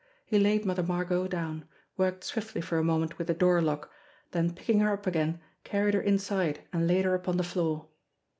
He laid Mother Margot down, worked swiftly for a moment with the door lock, then picking her up again carried her inside and laid her upon the floor.